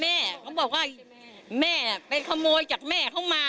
เขาบอกว่าแม่ไปขโมยจากแม่เขามา